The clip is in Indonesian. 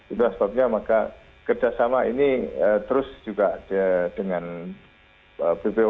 itulah sebabnya maka kerjasama ini terus juga dengan bpom